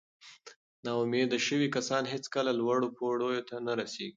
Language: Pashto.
ناامیده شوي کسان هیڅکله لوړو پوړیو ته نه رسېږي.